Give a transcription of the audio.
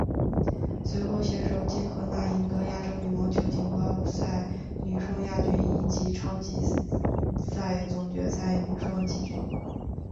随后携手金荷娜赢得亚洲羽毛球锦标赛女双亚军以及超级赛总决赛女双季军。